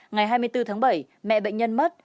ngày hai mươi bốn tháng bảy mẹ bệnh nhân mất